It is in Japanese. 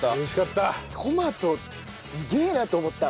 トマトすげえなって思った。